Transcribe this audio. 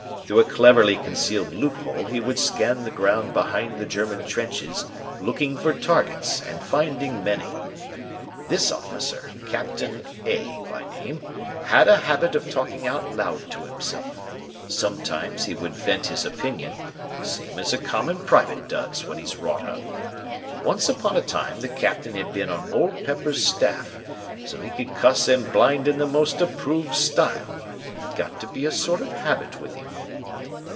Through a cleverly concealed loophole he would scan the ground behind the German trenches, looking for targets, and finding many. This officer, Captain A by name, had a habit of talking out loud to himself. Sometimes he would vent his opinion, same as a common private does when he's wrought up. Once upon a time the Captain had been on Old Pepper's staff, so he could cuss and blind in the most approved style. Got to be sort of a habit with him.